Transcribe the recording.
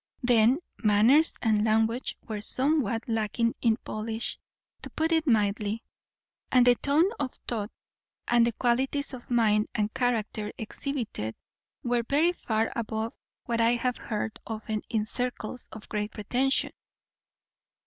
Then, manners and language were somewhat lacking in polish, to put it mildly; and the tone of thought and the qualities of mind and character exhibited were very far above what I have heard often in circles of great pretension.